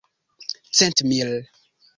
centmil